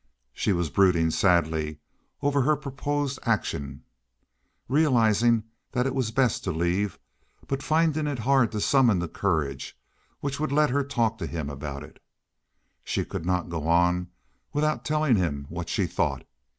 She was brooding sadly over her proposed action, realizing that it was best to leave but finding it hard to summon the courage which would let her talk to him about it. She could not go without telling him what she thought.